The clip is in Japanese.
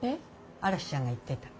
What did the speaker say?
嵐ちゃんが言ってた。